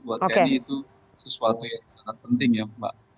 buat tni itu sesuatu yang sangat penting ya mbak